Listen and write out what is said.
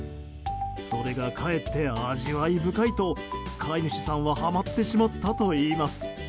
それがかえって味わい深いと飼い主さんははまってしまったといいます。